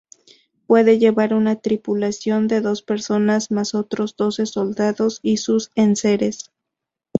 Puede llevar una tripulación de dos personas más otros doce soldados y sus enseres.